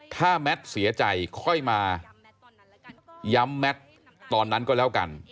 ถ้าแมทเสียใจค่อยมาย้ำแมทตอนนั้นก็แล้วกัน